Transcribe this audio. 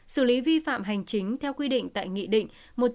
xử lý vi phạm hành chính theo quy định tại nghị định một trăm một mươi bảy